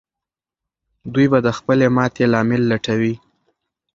دوی به د خپلې ماتې لامل لټوي.